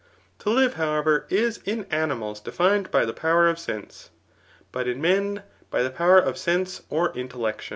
To live, however, is in animals defined by the powar cff sense, but in men by the power of setise or intellecti«.